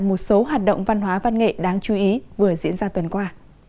một số hoạt động văn hóa văn nghệ đáng chú ý vừa diễn ra tuần qua